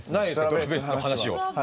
「ドラベース」の話は。